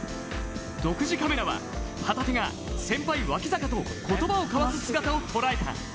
独自カメラは旗手が先輩・脇坂と言葉を交わす姿を捉えた。